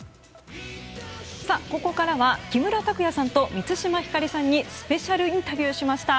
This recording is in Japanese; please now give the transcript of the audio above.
ここからは木村拓哉さんと満島ひかりさんにスペシャルインタビューしました。